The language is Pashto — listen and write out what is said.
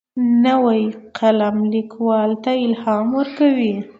نوی قلم لیکوال ته الهام ورکوي